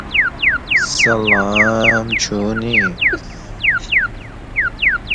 دسته مو